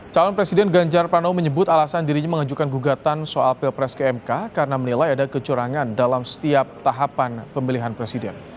calon presiden ganjar pranowo menyebut alasan dirinya mengajukan gugatan soal pilpres ke mk karena menilai ada kecurangan dalam setiap tahapan pemilihan presiden